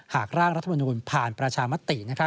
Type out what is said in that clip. ร่างรัฐมนูลผ่านประชามติ